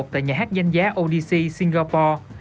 tại nhà hát danh giá odc singapore